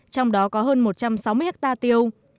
trong đó có hơn một trăm sáu mươi hectare tiêu